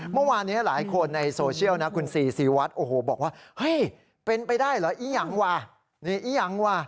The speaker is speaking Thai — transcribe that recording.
เมาหวานนี้หลายคนในโซเชียลน่ะคุณศรีศีวัฒน์โอ้โหบอกว่าเฮยเป็นไปได้เหรออี้ยังวะ